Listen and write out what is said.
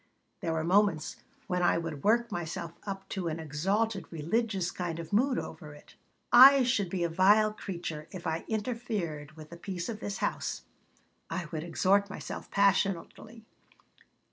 There were moments when I would work myself up to an exalted, religious kind of mood over it. "I should be a vile creature if I interfered with the peace of this house," I would exhort myself, passionately.